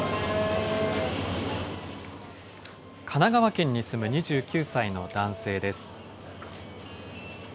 神奈川県に住む２９歳の男性です。